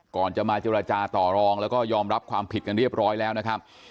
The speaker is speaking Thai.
ก่อนจะมาเจรจาต่อรองแล้วก็ยอมรับความผิดกันเรียบร้อยแล้วนะครับ